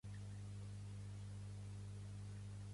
Cent quatre teoria són de plata, van a preu d'or.